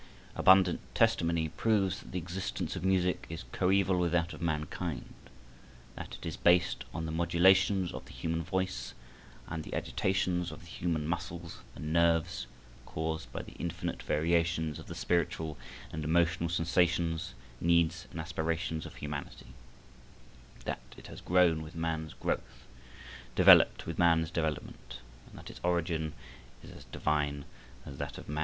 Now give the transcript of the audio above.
Abundant testimony proves that the existence of music is coeval with that of mankind; that it is based on the modulations of the human voice and the agitations of the human muscles and nerves caused by the infinite variations of the spiritual and emotional sensations, needs and aspirations of humanity; that it has grown with man's growth, developed with man's development, and that its origin is as divine as that of man.